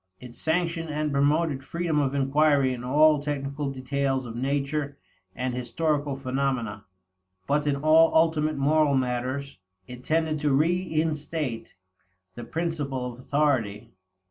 It sanctioned and promoted freedom of inquiry in all technical details of natural and historical phenomena. But in all ultimate moral matters, it tended to reinstate the principle of authority.